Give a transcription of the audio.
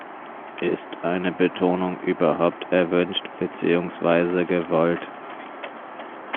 Ist eine Betonung überhaupt erwünscht, beziehungsweise gewollt?